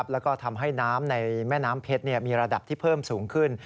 แล้วก็ทำให้น้ำในแม่น้ำเพชรมีระดับที่เพิ่มสูงขึ้น